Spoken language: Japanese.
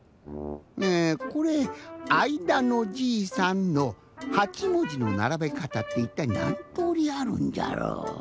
えこれ「あいだのじいさん」の８もじのならべかたっていったいなんとおりあるんじゃろう？